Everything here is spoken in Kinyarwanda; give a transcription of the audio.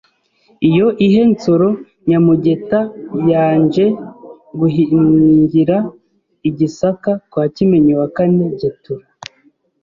iyo ihe Nsoro Nyamugeta yanje guhungira i Gisaka kwa Kimenyi IV Getura